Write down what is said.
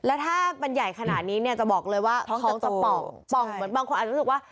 แล้วถ้ามันใหญ่ขนาดนี้เนี่ยจะบอกเลยว่าท้องจะป่องป่องเหมือนบางคนอาจจะรู้สึกว่า